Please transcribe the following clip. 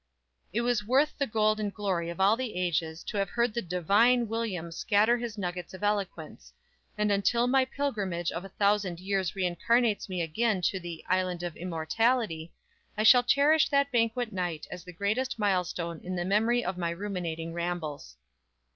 It was worth the gold and glory of all the ages to have heard the "Divine" William scatter his nuggets of eloquence; and until my pilgrimage of a thousand years reincarnates me again into the "Island of Immortality," I shall cherish that banquet night as the greatest milestone in the memory of my ruminating rambles.